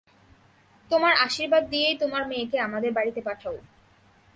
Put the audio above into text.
তোমার আশীর্বাদ দিয়েই তোমার মেয়েকে আমাদের বাড়িতে পাঠাও।